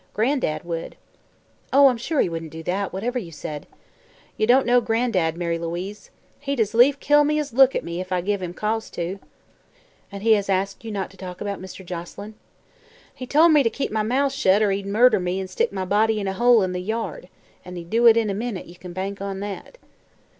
"Gran'dad would." "Oh, I'm sure he wouldn't do that, whatever you said." "Ye don't know Gran'dad, Mary Louise. He'd as lief kill me as look at me, if I give him cause to." "And he has asked you not to talk about Mr. Joselyn?" "He tol' me ter keep my mouth shet or he'd murder me an' stick my body in a hole in the yard. An' he'd do it in a minute, ye kin bank on that."